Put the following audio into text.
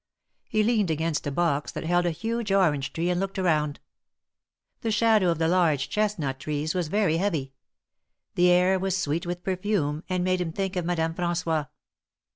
He leaned against a box that held a huge orange tree and looked around. The shadow of the large chestnut trees was very heavy. The air was sweet with perfume, and made him think of Madame Fran9ois.